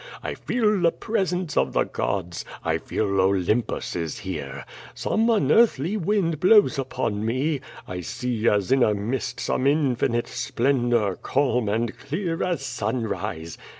I feel the presence of the gods; I feel Olympus is here. Some unearthly wind blows upon me. I see as in a mist some in finite splendor, calm and clear as sunrise.